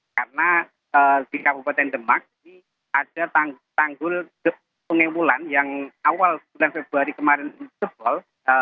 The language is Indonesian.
karena di kabupaten demak ini ada tanggul pengemulan yang awal sembilan februari kemarin sebol